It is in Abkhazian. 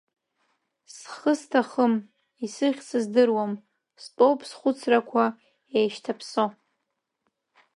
Схы сҭахым, исыхь сыздыруам, стәоуп схәыцрақәа еишьҭаԥсо.